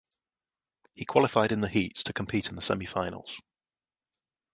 He qualified in the heats to compete in the semifinals.